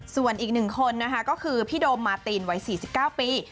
ส่วนอีกหนึ่งคนก็คือพี่โดมมาตีนไว้๔๙ปี